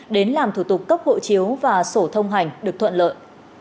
đến làm thủ tục cấp hộ chiếu và sổ thông hành được thuận lợi